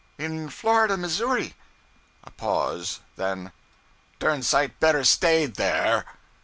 'In Florida, Missouri.' A pause. Then 'Dern sight better staid there!'